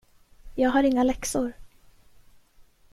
Jag har inga läxor!